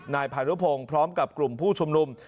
นายพานุพงศ์พร้อมกับกลุ่มผู้ชุมนุม